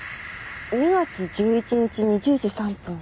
「２月１１日２０時３分」